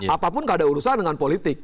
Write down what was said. apapun gak ada urusan dengan politik